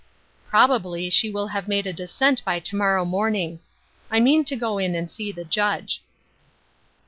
Probably she will have made a descent by to morrow morning. I mean to go in Hnd see the Judge."